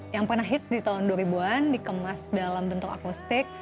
yang pernah hits di tahun dua ribu an dikemas dalam bentuk apostik